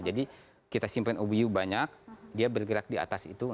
jadi kita simpan obu yu banyak dia bergerak di atas itu